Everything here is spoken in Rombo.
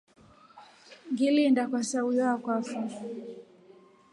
Ngiliinda kwa saayo wakwafo.